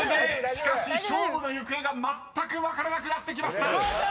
［しかし勝負の行方がまったく分からなくなってきました］